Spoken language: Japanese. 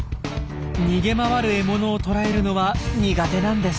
逃げ回る獲物を捕らえるのは苦手なんです。